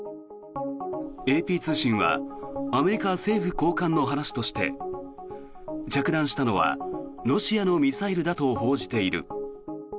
ＡＰ通信はアメリカ政府高官の話として着弾したのはロシアのミサイルだと報じている。